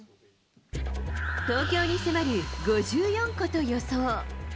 東京に迫る５４個と予想。